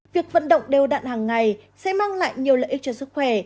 việc vận động đều đạn hàng ngày sẽ mang lại nhiều lợi ích cho sức khỏe